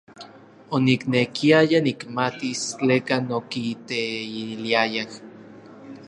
Oniknekiaya nikmatis tlekan okiteiliayaj.